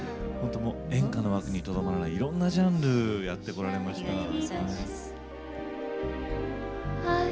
ほんと演歌の枠にとどまらないいろんなジャンルやってこられました。